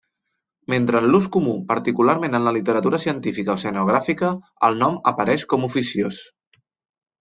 Mentre en l'ús comú, particularment en la literatura científica oceanogràfica, el nom apareix com oficiós.